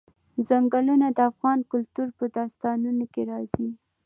ځنګلونه د افغان کلتور په داستانونو کې راځي.